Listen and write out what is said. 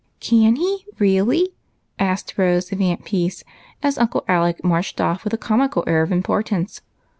" Can he, really ?" asked Rose of Aunt Peace, as Uncle Alec marched off with a comical air of impor tance.